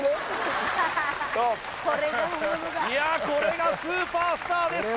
いやこれがスーパースターです